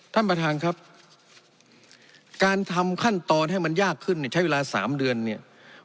ท่านประธานครับการทำขั้นตอนให้มันยากขึ้นเนี่ยใช้เวลา๓เดือนเนี่ย